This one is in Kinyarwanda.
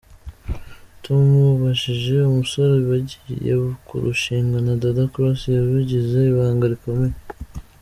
Tumubajije umusore bagiye kurushingana, Dada Cross yabigize ibanga rikomeye.